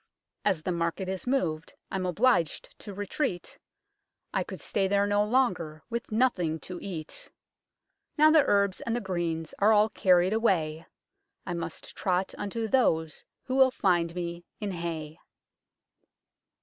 LONDON'S LOST KING 175 As the market is moved, I'm obliged to retreat ; I could stay there no longer with nothing to eat ; Now the herbs and the greens are all carried away, I must trot unto those who will find me in hay."